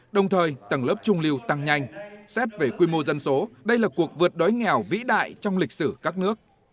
đồng thời tầng lớp trung lưu tăng nhanh xét về quy mô dân số đây là cuộc vượt đói nghèo vĩ đại trong lịch sử các nước